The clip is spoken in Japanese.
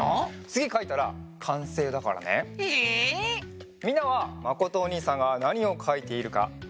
つぎかいたらかんせいだからね。え！？みんなはまことおにいさんがなにをかいているかわかるかな？